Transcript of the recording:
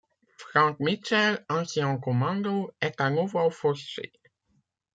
Frank Mitchell, ancien commando, est à nouveau fauché.